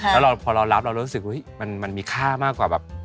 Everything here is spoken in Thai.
แล้วพอเรารับเรารู้สึกว่ามันมีค่ามากกว่าแบบ